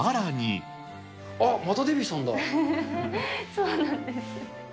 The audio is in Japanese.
あっ、そうなんです。